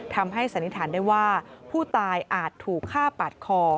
สันนิษฐานได้ว่าผู้ตายอาจถูกฆ่าปาดคอ